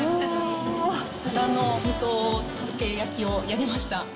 豚のみそ漬け焼きをやりました。